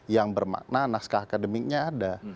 yang bermakna naskah akademiknya ada